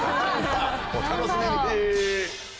お楽しみに。